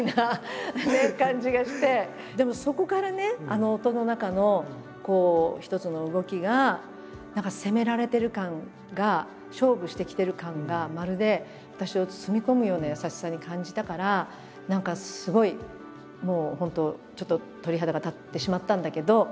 でもそこからねあの音の中の一つの動きが何か攻められてる感が勝負してきてる感がまるで私を包み込むような優しさに感じたから何かすごいもう本当ちょっと鳥肌が立ってしまったんだけど。